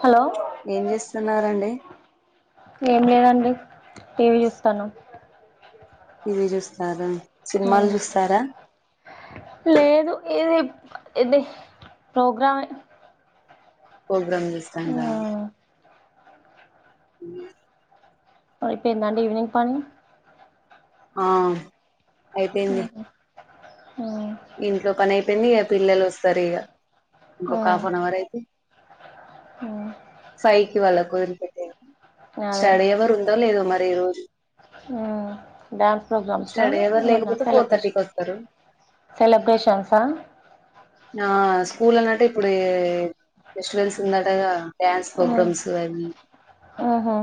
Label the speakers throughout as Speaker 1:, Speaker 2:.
Speaker 1: Hello
Speaker 2: ఏం చేస్తున్నారండి
Speaker 1: ఏం లేదండి టీవీ చూస్తన్నాం
Speaker 2: టీవీ చూస్తారా సినిమాలు
Speaker 1: హ్
Speaker 2: చూస్తారా
Speaker 1: లేదు ఇది ఇది ప్రోగ్రామే
Speaker 2: ప్రోగ్రామ్ చూస్తాండ్ర
Speaker 1: ఉమ్
Speaker 2: అ
Speaker 1: అయిపోయిందా అండి ఈవినింగ్ పని
Speaker 2: ఆ అయిపోయింది
Speaker 1: ఉమ్ ఉమ్
Speaker 2: ఇంట్లో పని అయిపోయింది ఇగ పిల్లలు వస్తారు ఇక ఇంకొక
Speaker 1: ఉమ్
Speaker 2: హాఫ్ అన్ అవర్ అయితే
Speaker 1: ఉమ్
Speaker 2: ఫయికి వాళ్ళకు గోలిపెట్టేది
Speaker 1: అదే
Speaker 2: స్టడీ ఆవర్ ఉందో లేదో మరి దా ఈరోజు
Speaker 1: ఉమ్ డ్యాన్స్ ప్రోగ్రామ్సా
Speaker 2: స్టడీ అవర్
Speaker 1: ఏమన్నా
Speaker 2: లేకపోతే ఫోర్
Speaker 1: సెలబ్రేషన్
Speaker 2: థర్టీకి వస్తారు
Speaker 1: సెలబ్రేషన్సా
Speaker 2: ఆ స్కూల్ అన్నట్టు ఇప్పుడు ఫెస్టివెల్స్ ఉందటగా డ్యాన్స్ ప్
Speaker 1: ఉమ్
Speaker 2: ప్రోగ్రామ్స్ అవి
Speaker 1: ఉహు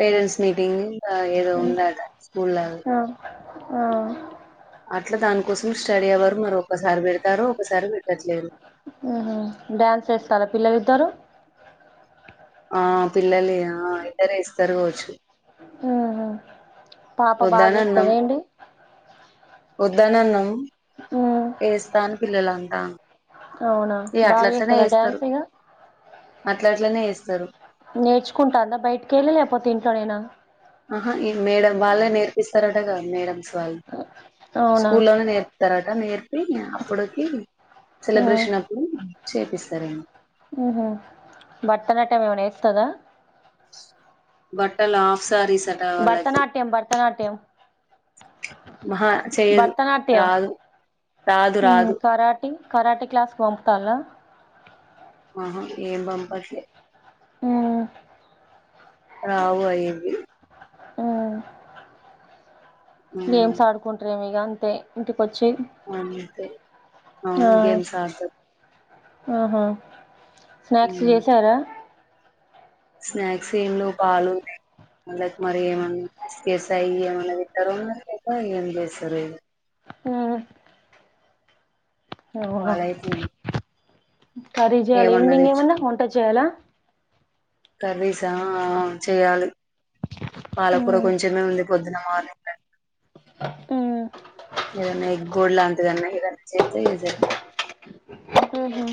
Speaker 2: పేరెంట్స్ నీ ది ఆ ఏదో ఉందట స్కూలో
Speaker 1: ఆ ఆ
Speaker 2: అట్లా దానికోసం స్టడీ అవర్ మరి ఒక సారి పెడతారో ఒకసారి పెట్టట్లేదు
Speaker 1: ఉహు డ్యాన్స్ వేస్తారా పిల్లలిద్దరు
Speaker 2: ఆ పిల్లలిగ ఆ ఇద్దరు వేస్తారుకావచ్చు
Speaker 1: ఉహు పాప బాగా వేస్తాదదా ఏంటి
Speaker 2: వద్దని అనం
Speaker 1: ఉమ్
Speaker 2: ఎస్తాను పిల్లలంటా
Speaker 1: అవునా బాగా వేస్త దా డ్యాన్స్ ఇగా
Speaker 2: అట్లా అట్లనే వేస్తారు
Speaker 1: నేర్చుకుంటుందా బయటికి వెళ్ళి లేకపోతే ఇంట్లోనైనా
Speaker 2: ఆహా ఈ మేడం వాళ్ళే నేర్పిస్తారటగద మేడమ్స్ వాళ్ళు
Speaker 1: అవునా
Speaker 2: స్కూల్ లోనే నేర్పుతార్ నేర్పి అప్పుడుకి
Speaker 1: ఉమ్
Speaker 2: సెలబ్రేషన్ అప్ చేపిస్తార అండి
Speaker 1: ఉహ్ హు భారత నాట్యం ఏమైనా వేస్తాదా
Speaker 2: బట్టల ఆఫ్సారిస్
Speaker 1: భరతనాట్యం భరతనాట్యం
Speaker 2: అహా చేయదు
Speaker 1: భరతనాట్యం
Speaker 2: రాదు రాదు రాదు
Speaker 1: కరాటే క్లాస్కి పంపుతాల్లా
Speaker 2: అహా ఏం పంపట్లే
Speaker 1: ఉమ్
Speaker 2: రావు అయన్ని
Speaker 1: ఉమ్
Speaker 2: ఉమ్,
Speaker 1: గేమ్స్ ఆడుకుంటనేమీ అంతే ఇంటికి
Speaker 2: అంతే
Speaker 1: ఆ
Speaker 2: అవును గేమ్స్ ఆడతాది
Speaker 1: ఆహా స్నాక్స్
Speaker 2: ఉమ్.
Speaker 1: చేసారా
Speaker 2: స్నాక్స్ ఏంలేవు పాలు ఉన్నాయ్ మరి ఏమన్నా బిస్కెట్స్ అవి ఏమన్నా తింటారో ఉన్నా లేక ఏం చేస్తారో ఇగ
Speaker 1: ఉమ్ అవునా
Speaker 2: పాలైతే
Speaker 1: కర్రి చేయ్యాల ఈవినింగ్ ఏమన్నా వంట చేయ్యాలా
Speaker 2: కర్రీస్ ఆ ఆ చేయాలి పాలకూర
Speaker 1: ఉమ్
Speaker 2: కొంచమే ఉంది పొద్దున మార్నింగ్
Speaker 1: ఉమ్
Speaker 2: ఏదైనా ఎగ్బోర్డ్ లాంటిదన్నా ఏదన్నా చేస్తే సరిపోతది
Speaker 1: ఉహు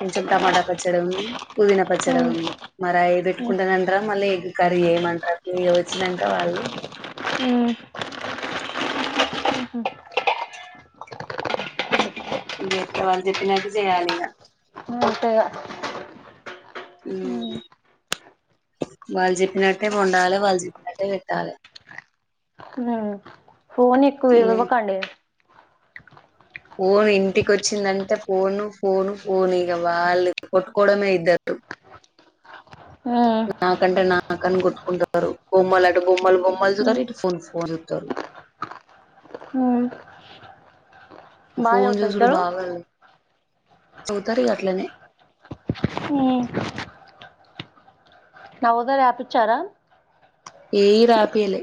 Speaker 2: కొంచెం టమాటా పచ్చడి ఉంది పుదీనా పచ్చడి
Speaker 1: ఉమ్
Speaker 2: ఉంది మరాయి పెట్టుకుంటాందంటరా మళ్ళీ ఎగ్ కర్రీ ఏయమంటరా వచ్చినాక వాళ్ళు చెప్ వాళ్ళు చెప్పినట్టు చేయాలి ఇగా
Speaker 1: అంతే ఇగ
Speaker 2: ఉమ్ వాళ్ళు చెప్పినట్టే వండాలి వాళ్ళు చెప్పినట్టే పెట్టాలా
Speaker 1: ఫోన్ ఎక్కువ
Speaker 2: లే
Speaker 1: ఇవ్వకండి
Speaker 2: ఫోన్ ఇంటికొచ్చిందంటే ఫోను ఫోను ఫోను ఇక వాళ్ళ కొట్టుకోవడమే ఇద్దరు
Speaker 1: ఆ
Speaker 2: మాకని కొట్టుకుంటారు బొమ్మలు ఆట బొమ్మ వాళ్ళు బొమ్మలు చూస్తారు ఇటు ఫోన్ ఫోన్ చూత్తరు
Speaker 1: బాగా
Speaker 2: ఫోన్
Speaker 1: చదువుతారు
Speaker 2: చూసుడు
Speaker 1: ఇద్దరు
Speaker 2: బాగా చదువుతారు ఇగ అట్లనే
Speaker 1: ఉమ్ నవోదయ రాపిచ్చారా
Speaker 2: ఏయి రాపిలే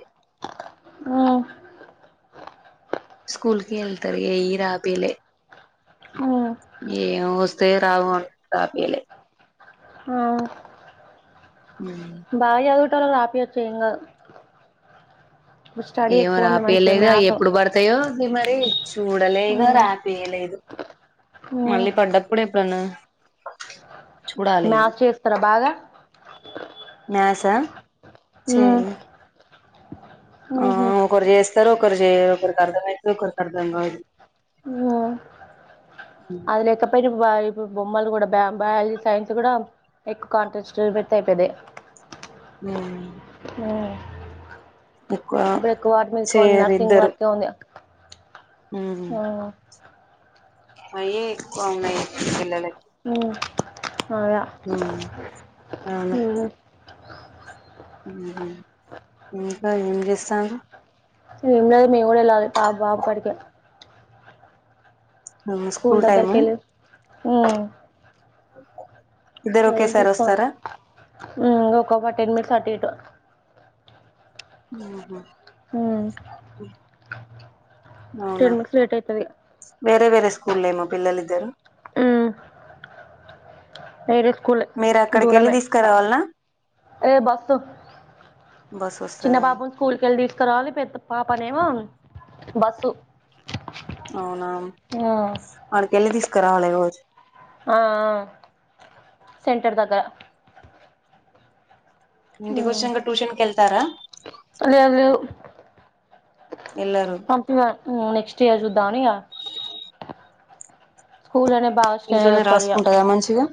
Speaker 1: ఆ
Speaker 2: స్కూల్ కి వెళ్తారు ఏయ్యి రాపిలే ఏ వస్తాయో రావో అని రాపియలే ఉమ్
Speaker 1: బావి అదుగుట్టలో రాపియ్యాచు ఏం కాదు ఇప్పుడు స్టడీ
Speaker 2: ఏమో
Speaker 1: ఎక్కువ ఉంది మంచిగా
Speaker 2: రాపియలేదు అవి
Speaker 1: మ్యాథ్
Speaker 2: ఎప్పుడు పడతాయో మరి చూడలేగా రాపియలేదు మళ్ళీ పడ్డప్పుడు ఎప్పుడన్నా చూడాలి ఇక
Speaker 1: మ్యాథ్స్ చేస్తారా బాగా
Speaker 2: మ్యాథ్స్ ఆ చేయలే ఆ
Speaker 1: ఉహు
Speaker 2: ఒకరు చేస్తరు ఒకరు చేయరు ఒకరికి అర్థమయితే ఒకరికి అర్థం కాదు.
Speaker 1: అదిలేక పెరిపాయల్ బొమ్మలు కూడా బ బయాలజీ సైన్స్ కూడా ఎక్కువ కాంటెస్ట్ పెడితే అయిపోయిద్ది.
Speaker 2: ఉమ్
Speaker 1: ఆ
Speaker 2: ఎక్కువ
Speaker 1: బ్రేక్ వార్డు మీకుంది
Speaker 2: చేయరు
Speaker 1: నర్సింగ్
Speaker 2: ఇద్దరు
Speaker 1: వార్డ్ ఉంది. ఆ అ
Speaker 2: అయే ఎక్కువున్నయ్ పిల్లలకి
Speaker 1: అగా
Speaker 2: ఉమ్.
Speaker 1: ఉ
Speaker 2: ఉహు ఇంకా ఏం చేస్తాన్రు
Speaker 1: ఏంలేదు మీ వోడు ఇలాది పాప బాబు కాడికే
Speaker 2: ఉమ్,
Speaker 1: స్కూల్
Speaker 2: టైము
Speaker 1: దగ్గరకేలే ఉ
Speaker 2: ఇద్దరు
Speaker 1: వేరే
Speaker 2: ఒకేసారి
Speaker 1: తీసుకొని
Speaker 2: వస్తారా
Speaker 1: వస్తా ఒక టెన్ మినిట్స్ అటు ఇటు
Speaker 2: ఉహు
Speaker 1: హు
Speaker 2: అవునా
Speaker 1: లేట్ అయితది
Speaker 2: వేరే వేరస్ స్కూల్ ఏమో పిల్లలు ఇద్దరు
Speaker 1: మీరు కులే
Speaker 2: మీరు అక్కడికి వెళ్ళి
Speaker 1: దూరమే
Speaker 2: తీసుకురావాలనా
Speaker 1: ఏ బస్
Speaker 2: బస్సు
Speaker 1: చిన్న
Speaker 2: వస్తదా
Speaker 1: బాబు స్కూల్ కెళ్ళి తీస్ ఇక్క రాలి పెద్ద పాపనేేమో బస్సు
Speaker 2: అవునా
Speaker 1: ఆ
Speaker 2: వాళ్ళకి వెళ్ళి తీసుకు క్కరాలే రోజ్
Speaker 1: ఆ అ సెంటర్ దగ్గర
Speaker 2: ఇంటికి వచ్చినంక ట్యూషన్ కి వెళ్తారా వెళ్ళరు
Speaker 1: పంపిమ నెక్స్ట్ ఇయర్ జుద్దమనియగ స్కూల్ అనే
Speaker 2: ఇంట్లోనే రాసుకుంటాయా మంచిగా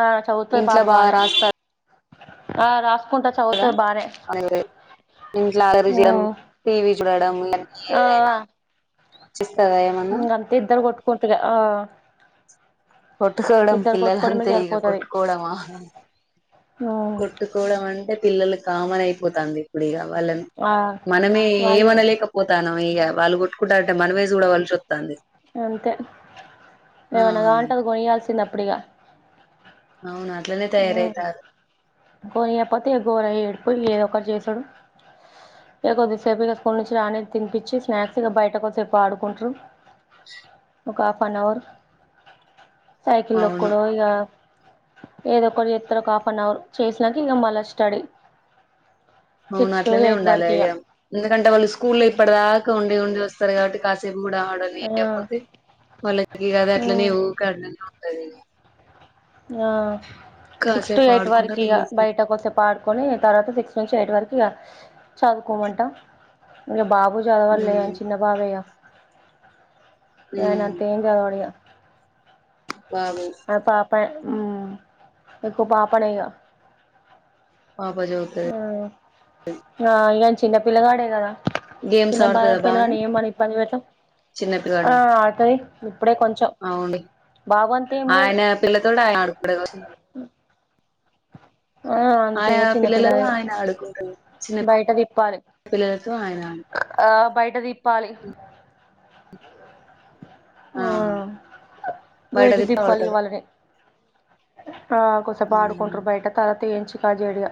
Speaker 1: ఆ చదువుతాది
Speaker 2: ఇంట్లో
Speaker 1: పాప
Speaker 2: బాగా
Speaker 1: బానే
Speaker 2: రాస్తారు
Speaker 1: ఆ రాస్ పుంత చౌ
Speaker 2: అ ఇంట్లో అల్లరిచేయడం
Speaker 1: మ్మ్
Speaker 2: టీవీ చూడడం ఇ
Speaker 1: ఆ
Speaker 2: ఏదైనా చ్చిత్తదా ఏమన్నా
Speaker 1: కుట్టుద ఆ
Speaker 2: కొట్టుకోవడం
Speaker 1: ఇద్దరు కొట్టుకోవడమే
Speaker 2: పిల్లలంతే ఇక
Speaker 1: సరిపోతది
Speaker 2: కొట్టుకోవడం ఆ
Speaker 1: మ్మ్
Speaker 2: కొట్టుకోవడం అంటే పిల్లలక్ కామన్ అయిపోతంది ఇప్పుడు ఇగ వాళ్ళని
Speaker 1: ఆ
Speaker 2: మనమే
Speaker 1: వాళ్ళే
Speaker 2: ఏమనలేకపోతానం ఇగ వాళ్ళు కొట్టుకుంటంటే మనమేజుడవల్సివస్తుం
Speaker 1: అంతే
Speaker 2: ఆ
Speaker 1: ఎవనగావలి అంటే అది కొనిల్స చిన్న అప్పుడిగా
Speaker 2: అవు అట్లనే తయారవుతాళ్ళు
Speaker 1: కొనీయకపోతేక ఇగ గోర ఏడిపోయి ఏదో ఒకటి చేసాడు ఇక కొద్దిసేపు ఇక స్కూల్ నుంచి రానిది తినిపించి స్నాక్స్ ఇక బయట కొద్దిసేపు ఆడుకుంటారు ఒక హాఫ్ అన్ అవర్ సైకిల్
Speaker 2: అవును
Speaker 1: దొక్కుడో ఇక ఏదో ఒకటి ఎస్తారు ఒక హాఫ్న్ అవర్ చేసినాక ఇగ మళ్ళా స్టడీ
Speaker 2: అవును
Speaker 1: సిక్స్ టు
Speaker 2: అట్లనే
Speaker 1: ఎయిట్
Speaker 2: ఉండాలె
Speaker 1: వరకు ఇగ
Speaker 2: అ ఎందుకంటే వాళ్ళు స్కూల్ల్లో ఇప్పుడదాక ఉండి ఉండి వస్తారు కాబట్టి కాసేపు కూడా ఆవడని లేకపోతే వాళ్ళకి కాద అట్లనే కాడనే సరే
Speaker 1: ఆ సిక్స్ టు ఎయిట్
Speaker 2: ఆడుకుంటా
Speaker 1: వరకు ఇగ
Speaker 2: రిలీఫ్ ఉమ్
Speaker 1: బయటకు వస్తే పాడుకొని తర్వాత సిక్స్ నుంచి ఎయిట్ వరకు ఇక చదువుకోమంటా ఇగ బాబు చదువు వాళ్ళలే చిన్న బాబెగా ఐయన
Speaker 2: ఉమ్
Speaker 1: అంత ఎం చదవాడు ఇగ
Speaker 2: బాబు
Speaker 1: ఆ పాప ఉ ఎక్కువ పాపనే ఇగ
Speaker 2: పాప చదువుతది
Speaker 1: ఆ ఇగ చిన్నపిల్లగాడే కదా
Speaker 2: గేమ్స్
Speaker 1: చిన్న
Speaker 2: ఆడుతదా
Speaker 1: బాలతల్
Speaker 2: బానే
Speaker 1: పని మని ఇ ప అదివటం
Speaker 2: చిన్న
Speaker 1: ఆ
Speaker 2: పిల్లాడా
Speaker 1: ఆది అప్పుడే కొంచెం
Speaker 2: అవును
Speaker 1: బాబు ఏం లేదు
Speaker 2: ఆయన పిల్తోడు ఆయ అడుడ
Speaker 1: ఆ
Speaker 2: ఆయన
Speaker 1: అంతేగా
Speaker 2: పిల్లలతో
Speaker 1: చిన్నపిల్లలుగా
Speaker 2: ఆయన ఆడుకుంటడు చిన్న
Speaker 1: బయట తిప్పాలి
Speaker 2: పిల్లలతో ఆయన
Speaker 1: ఆ బయట బయట తిప్పాలి ఆ బయట
Speaker 2: తిప్పి
Speaker 1: తిప్పాలి
Speaker 2: ఆడతడు
Speaker 1: వాళ్లని ఆ కొసేపు
Speaker 2: ఉమ్
Speaker 1: ఆడుకుంటారు బయట తలత యించికజడిగా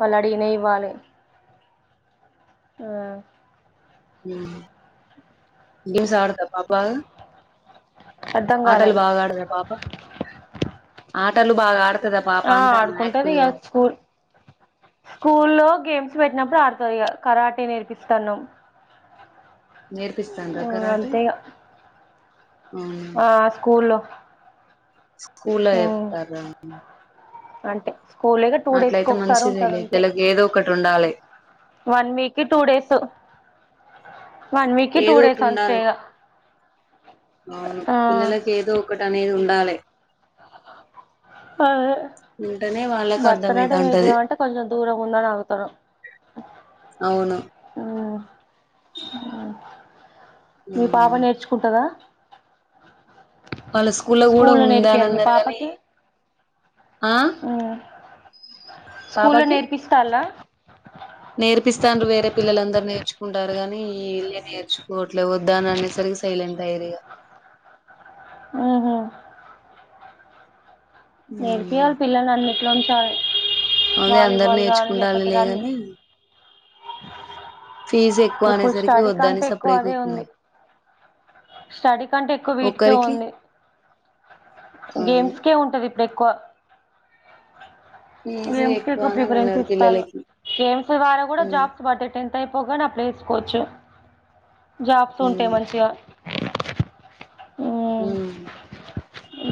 Speaker 1: వాళ్ళు అడిగిన ఇవ్వాలి
Speaker 2: గేమ్స్ ఆడుతాద పాపా
Speaker 1: అర్థం కాలే
Speaker 2: ఆటలు బాగా ఆడద పాప ఆటలు బాగా ఆడతదా పాప
Speaker 1: ఆ
Speaker 2: అంటాన్న
Speaker 1: ఆడుకుంటది
Speaker 2: యాక్టివ్గా
Speaker 1: కద స్కూల్ స్కూ లో గేమ్స్ పెట్టినప్పుడు ఆడుతుంది కరాటి నేర్పిస్తానుమ్
Speaker 2: నేర్పిస్తాండ్రా
Speaker 1: అ
Speaker 2: కరాటే
Speaker 1: అంతేగా
Speaker 2: అవునా
Speaker 1: ఆ స్కూల్ లో
Speaker 2: స్కూల్ ఏప్తర్
Speaker 1: అంటే స్కూల్గా టూ డేస్ ఒకసారి ఉంటంది
Speaker 2: మంచిదేలే
Speaker 1: అంతే
Speaker 2: పిల్లకి ఏదో ఒకటి ఉండాలే
Speaker 1: వన్ వీక్ కి two days one week two
Speaker 2: ఏదో
Speaker 1: డేస్
Speaker 2: ఒకటి
Speaker 1: అంతే
Speaker 2: ఉండాలే అవును
Speaker 1: ఆ
Speaker 2: పిల్లలకి ఏద ఒకట్ అనేది ఉండాలి
Speaker 1: హ
Speaker 2: ఉంటేనే వాళ్ళకు
Speaker 1: భర్త
Speaker 2: అర్థమైతా ఉంటది
Speaker 1: నాట్యంనేర్పుదామంటే కొంచెం దూరం ఉందనే ఆగుతుర
Speaker 2: అవును
Speaker 1: హ్మ్ మీ పాప
Speaker 2: ఉమ్.
Speaker 1: నేర్చుకుంటదా
Speaker 2: వాళ్ళ స్కూల్లో కూడా ఉందా అని అన్నారు కానీ
Speaker 1: స్కూల్ నేర్పిస్తలా
Speaker 2: నేర్పిస్తాను వేరే పిల్లందరు న నేర్చుకుంటారు కాని ఈలే నేర్చుకో ఇట్ వద్దా అనే సరికి సైలెంట్ ధైర్య
Speaker 1: హ్మ్ హమ్
Speaker 2: ఉమ్.
Speaker 1: నేర్పిళ పిల్ని అనిట లోంచాల్
Speaker 2: అదే అందరు నేర్చుకుంటాలి లేగాని
Speaker 1: రన్నింగ్ ఇప్పుడు
Speaker 2: అనేసరికి
Speaker 1: స్టడీ
Speaker 2: వద్దని
Speaker 1: కంటే ఎక్కువ
Speaker 2: సప్పుడేక
Speaker 1: అదే
Speaker 2: ఊకున్నా
Speaker 1: ఉంది స్టడీ కంటే ఎక్కువ వీటికే
Speaker 2: ఒక్కరికి
Speaker 1: ఉంది
Speaker 2: అవును
Speaker 1: గేమ్స్ కే ఉంటుంది ఎక్కువ
Speaker 2: ఫీజు
Speaker 1: గేమ్స్ కి ఎక్కువ
Speaker 2: అని
Speaker 1: ప్రిఫరెన్స్
Speaker 2: అన్నారు
Speaker 1: ఇస్తారు
Speaker 2: పిల్లలకి
Speaker 1: గేమ్స్ ద్వారా కూడా
Speaker 2: ఉమ్
Speaker 1: జాబ్స్ పడ టెన్ అంతా అయిపోగానే అప్లై వేసుకోవచ్చు జాబ్స్ ఉంటాయి
Speaker 2: ఉమ్
Speaker 1: మంచిగా అ
Speaker 2: హ్మ్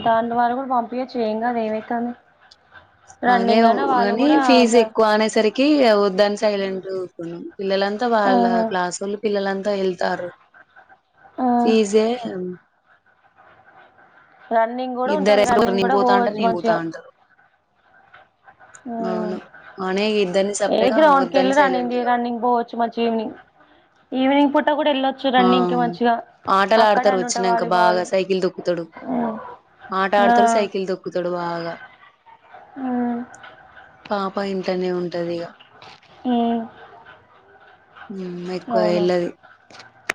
Speaker 1: దాని వారు కూడా పంపియచ్చు. ఏం గాదు ఏమైతంది
Speaker 2: అదే కానీ ఫీజ్
Speaker 1: గ
Speaker 2: ఎక్కువ అనేసరికి వద్దని సైలెంటుకున్నాం. పిల్లంతా వాళ్ళ
Speaker 1: ఆహా
Speaker 2: క్లాసోళ్ళు పిల్లలంతా త ఏళ్తారు.
Speaker 1: ఆ
Speaker 2: ఫీజే
Speaker 1: రన్నింగ్ కూడా
Speaker 2: ఇద్దరు
Speaker 1: ఉంటది. రన్నింగ్
Speaker 2: నేను
Speaker 1: కూడా
Speaker 2: పోతా అంటే
Speaker 1: పోవచ్చు.
Speaker 2: నేను పోతా
Speaker 1: మంచిగా
Speaker 2: అంటారు
Speaker 1: ఆ
Speaker 2: అవును అనే ఇద్దరిని
Speaker 1: ఏ
Speaker 2: సపరేట్ గా
Speaker 1: గ్రౌండ్కి
Speaker 2: వద్దని
Speaker 1: వెళ్ళినా రన్నిం
Speaker 2: సైలెంట్ గా
Speaker 1: రన్నింగ్ పోవచ్చు మంచిగ్ ఈవినింగ్. ఈవినింగ్ పూట కూడా వెళ్ళొచ్చు
Speaker 2: ఆ
Speaker 1: రన్నింగ్ కి మంచిగా
Speaker 2: ఆటలు
Speaker 1: అక్కడ
Speaker 2: ఆడతారు
Speaker 1: అని ఉంటా
Speaker 2: వచ్చినంక
Speaker 1: వాలీబాల్
Speaker 2: బాగా సైకిల్ దొక్కుతాడు.
Speaker 1: ఆ
Speaker 2: ఆట ఆడతాడు సైకిల్ దొక్కుతాడు బాగా.
Speaker 1: ఆహ్
Speaker 2: పాప ఇంట్లనే ఉం
Speaker 1: ఉహ్మ్
Speaker 2: హ్మ్ ఎక్కువ ఎలాదు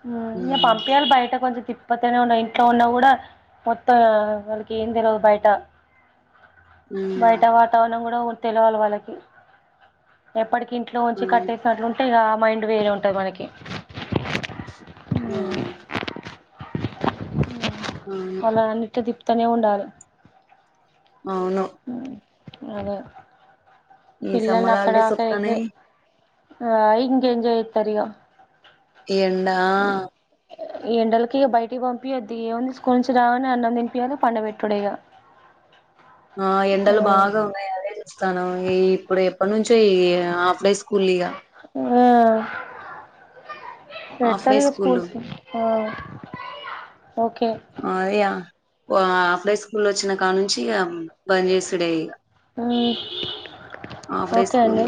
Speaker 1: హ్మ్ ఇంగ్ పంపియాలి బయట కొంచెం తిప్ కపోతేనే ఉన్నా ఇంట్లో ఉన్నా కూడా మొత్తం. వాళ్ళకి ఏం తెలవదు బయట.
Speaker 2: మ్మ్
Speaker 1: బయట వాతావరణం కూడా ఉ తెలవాల వాళ్ళకి ఎప్పుటిక్ కి ఇంట్లో ఉంచి
Speaker 2: అవును
Speaker 1: కట్టేసినట్లూ తే ఇగా ఆ మైండ్ వేరే ఉంటది. మనకి
Speaker 2: ఆహ్
Speaker 1: వాళ్ళన్ అని తిప్ తనే ఉండాలే
Speaker 2: అవును
Speaker 1: అదే
Speaker 2: ఈ
Speaker 1: పిల్లలు
Speaker 2: సమ్మర్
Speaker 1: అక్కడ
Speaker 2: హాలిడేస్
Speaker 1: దాకా ఏగ్రే
Speaker 2: వత్తన్నాయి
Speaker 1: ఆ ఇంగ్ ఎంజాయతరిగా
Speaker 2: ఏండా
Speaker 1: ఈ ఎండలకి ఇక బయటికి పంపియ్ద్ది ఏముంది. స్కూల్ నుంచి రంగానే అన్నం తినిపోయాల పండబేట్టుడే ఇగా
Speaker 2: ఆ ఎండలు బాగా ఉన్నాయి. అదే చూస్తానం ఈ ఇప్పుడు ఎప్పటి నుంచో ఈ హాఫ్ డేస్ స్కులిగా
Speaker 1: ఆ
Speaker 2: ఆఫ్డే
Speaker 1: పెడతారు ఇక
Speaker 2: స్కూలు
Speaker 1: స్కూల్స్ ఓకే
Speaker 2: ఆ యా ఓ ఆఫ్లై స్కూలొచ్చిన కానుంచిగ
Speaker 1: ఆ
Speaker 2: హాఫ్ డే
Speaker 1: ఓకే
Speaker 2: స్కూల్
Speaker 1: అండి